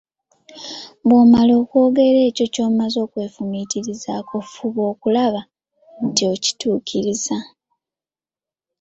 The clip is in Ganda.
Bwomala okwogera ekyo ky'omaze okwefumiitirizaako, fuba okulaba nti okituukiriza.